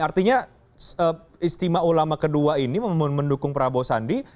artinya istimewa ulama kedua ini mendukung prabowo sandi